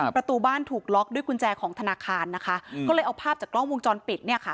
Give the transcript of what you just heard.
ประตูบ้านถูกล็อกด้วยกุญแจของธนาคารนะคะก็เลยเอาภาพจากกล้องวงจรปิดเนี่ยค่ะ